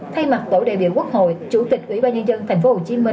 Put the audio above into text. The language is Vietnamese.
thay mặt tổ đại biểu quốc hội chủ tịch ủy ban nhân dân tp hcm